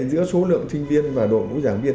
giữa số lượng sinh viên và đội ngũ giảng viên